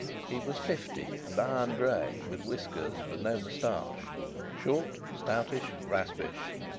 He was fifty and iron grey, with whiskers, but no moustache; short, stoutish, raspish.